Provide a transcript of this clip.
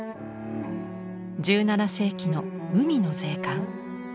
１７世紀の「海の税関」。